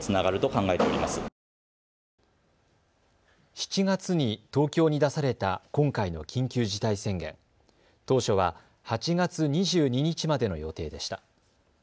７月に東京に出された今回の緊急事態宣言、当初は８月２２日までの予定でした。